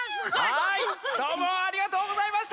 はいどうもありがとうございました。